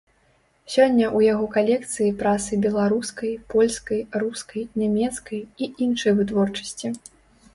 Сёння ў яго калекцыі прасы беларускай, польскай, рускай, нямецкай і іншай вытворчасці.